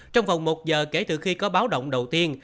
trong vòng một giờ kể từ khi có báo động đầu tiên